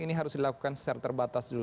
ini harus dilakukan secara terbatas dulu